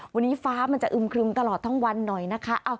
วันนี้ฟ้ามันจะอึมครึมตลอดทั้งวันหน่อยนะคะ